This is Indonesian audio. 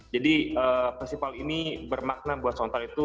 jadi festival ini bermakna buat sontar itu